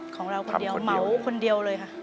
ของเราคนเดียวเหมาคนเดียวเลยค่ะ